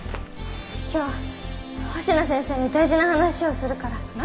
今日星名先生に大事な話をするから。何！？